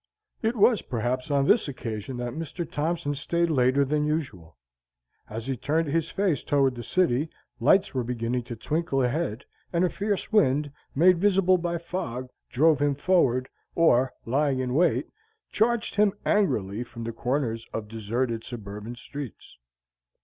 It was, perhaps, on this occasion that Mr. Thompson stayed later than usual. As he turned his face toward the city, lights were beginning to twinkle ahead, and a fierce wind, made visible by fog, drove him forward, or, lying in wait, charged him angrily from the corners of deserted suburban streets.